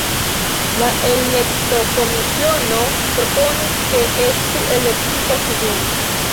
La elektokomisiono proponis, ke estu elektita kvin.